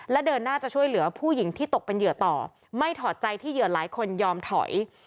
และเดินหน้าจะช่วยเหลือผู้หญิงที่ตกเป็นเหยื่อต่อไม่ถอดใจที่เหยื่อหลายคนยอมถอย